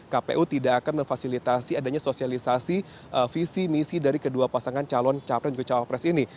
kpu tidak akan memfasilitasi adanya sosialisasi visi misi dari kedua pasangan calon capres dan cawapres ini